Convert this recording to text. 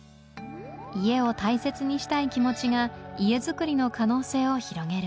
家を大切にしたい気持ちが家づくりの可能性を広げる